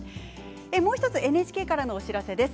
もう１つＮＨＫからのお知らせです。